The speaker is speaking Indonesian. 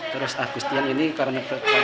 terus agustian ini karena dia berjaya dia berjaya